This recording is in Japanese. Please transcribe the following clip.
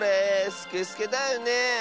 スケスケだよねえ。